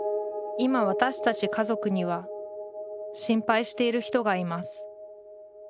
今私たち家族には心配している人がいます。